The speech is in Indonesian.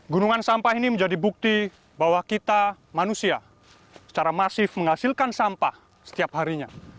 gunungan sampah ini menjadi bukti bahwa kita manusia secara masif menghasilkan sampah setiap harinya